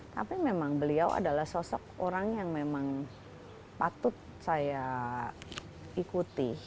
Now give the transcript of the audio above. tapi memang beliau adalah sosok orang yang memang patut saya ikuti